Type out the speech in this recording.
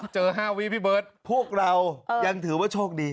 ๕วิพี่เบิร์ตพวกเรายังถือว่าโชคดี